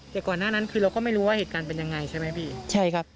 แต่ก่อนหน้านั้นคือเราก็ไม่รู้ว่าเหตุการณ์เป็นยังไงใช่ไหมพี่ใช่ครับ